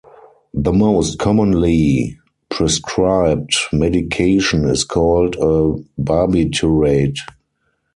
The most commonly prescribed medication is called a barbiturate.